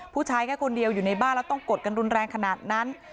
แค่คนเดียวอยู่ในบ้านแล้วต้องกดกันรุนแรงขนาดนั้น